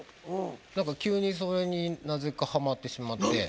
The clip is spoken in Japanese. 何か急にそれになぜかハマってしまって。